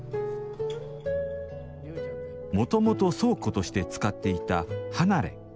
もともと倉庫として使っていた離れ。